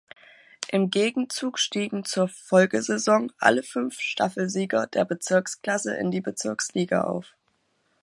Im Gegenzug stiegen zur Folgesaison alle fünf Staffelsieger der Bezirksklasse in die Bezirksliga auf.